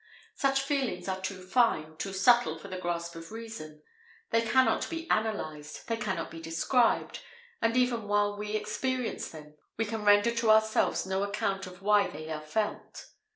Such feelings are too fine, too subtle for the grasp of reason; they cannot be analyzed; they cannot be described; and even while we experience them, we can render to ourselves no account of why they are felt.